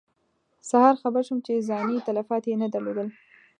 سهار خبر شوم چې ځاني تلفات یې نه درلودل.